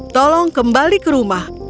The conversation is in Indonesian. tolong kembali ke rumah